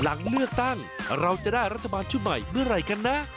หลังเลือกตั้งเราจะได้รัฐบาลชุดใหม่เมื่อไหร่กันนะ